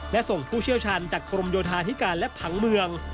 และส่งผู้เชี่ยวชาญจากกรมโยธาธิการและผังเมือง